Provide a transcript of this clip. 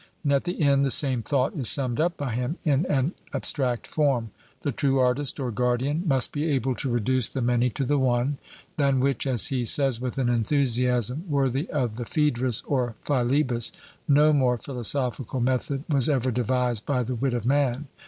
And at the end the same thought is summed up by him in an abstract form. The true artist or guardian must be able to reduce the many to the one, than which, as he says with an enthusiasm worthy of the Phaedrus or Philebus, 'no more philosophical method was ever devised by the wit of man.'